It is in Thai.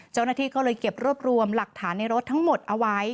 เจ้าหน้าที่ก็เลยเก็บรวบรวมหลักฐานในรถทั้งหมดเอาไว้